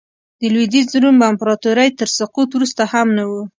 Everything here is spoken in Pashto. د لوېدیځ روم امپراتورۍ تر سقوط وروسته هم نه و